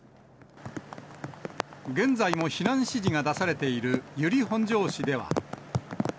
現在も避難指示が出されている由利本荘市では。